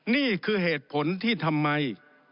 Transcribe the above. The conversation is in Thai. นี่คือเหตุผลที่ทำไม